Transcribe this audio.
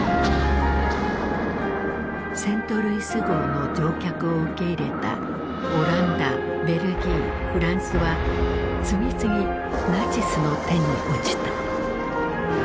セントルイス号の乗客を受け入れたオランダベルギーフランスは次々ナチスの手に落ちた。